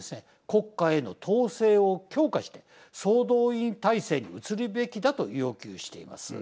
国家への統制を強化して総動員体制に移るべきだと要求しています。